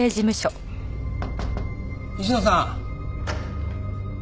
西野さん。